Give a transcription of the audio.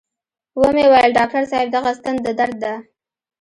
و مې ويل ډاکتر صاحب دغه ستن د درد ده.